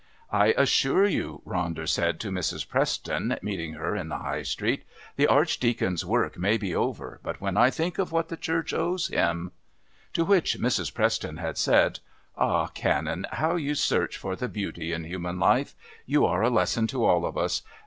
"I assure you," Ronder said to Mrs. Preston, meeting her in the High Street, "the Archdeacon's work may be over, but when I think of what the Church owes him " To which Mrs. Preston had said: "Ah, Canon, how you search for the Beauty in human life! You are a lesson to all of us.